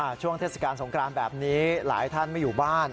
ช่วงเทศกาลสงครานแบบนี้หลายท่านไม่อยู่บ้าน